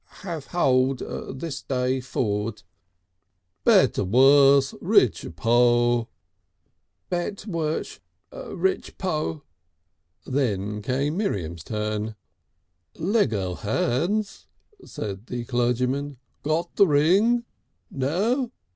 "Have hold this day ford." "Betworse, richpoo' " "Bet worsh, richpoo'...." Then came Miriam's turn. "Lego hands," said the clergyman; "got the ring? No!